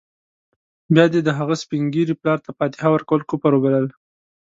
بيا دې د هغه سپین ږیري پلار ته فاتحه ورکول کفر وبلل.